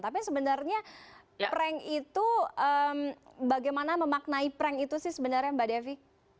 tapi sebenarnya prank itu bagaimana memaknai prank itu sih sebenarnya mbak devi